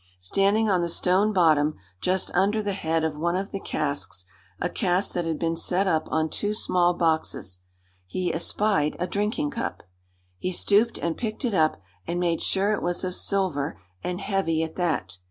Standing on the stone bottom, just under the head of one of the casks a cask that had been set up on two small boxes he espied a drinking cup. He stooped and picked it up and made sure it was of silver and heavy at that.